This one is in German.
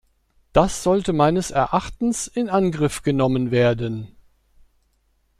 Das sollte meines Erachtens in Angriff genommen werden.